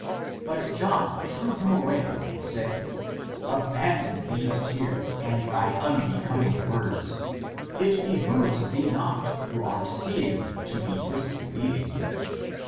But John drew him away and said, "Abandon these tears and thy unbecoming words ! It behooves thee not, who art seeing, to be disbelieving.